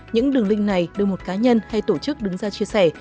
những đường link này được một cá nhân hay tổ chức đứng ra chia sẻ